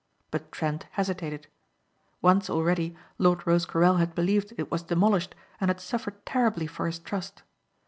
But Trent hesitated. Once already Lord Rosecarrel had believed it was demolished and had suffered terribly for his trust.